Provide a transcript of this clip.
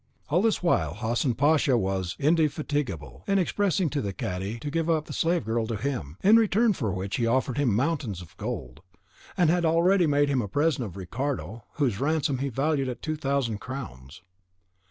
All this while Hassan Pasha was indefatigable in pressing the cadi to give up the slave girl to him, in return for which he offered him mountains of gold, and had already made him a present of Ricardo, whose ransom he valued at two thousand crowns.